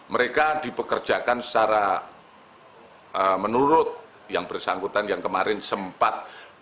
mereka dipekerjakan secara menurut yang bersangkutan yang kemarin sempat